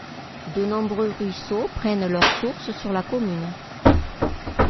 De nombreux ruisseaux prennent leurs sources sur la commune.